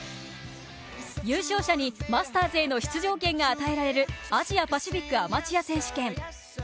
優勝者にマスターズへの出場権が与えられるアジアパシフィックアマチュア選手権。